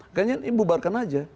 kayaknya ini bubarkan saja